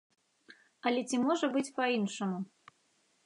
Але ці можа быць па-іншаму?